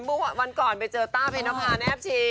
เมื่อวันก่อนไปเจอต้าเพนภาแนบชี